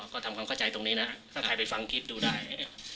ก็ทำความเข้าใจตรงนี้นะถ้าใครไปฟังคิดดูได้